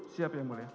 siap yang mulia